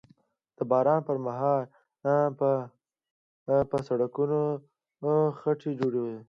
د باران پر مهال به په سړکونو خټې جوړېدلې